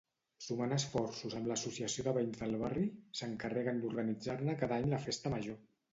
Sumant esforços amb l'associació de veïns del barri, s'encarreguen d'organitzar-ne cada any la festa major.